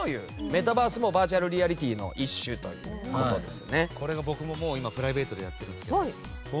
メタバースもバーチャルリアリティーの一種という事ですね。